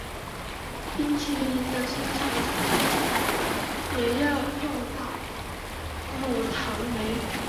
冰淇淋的生产中也要用到乳糖酶。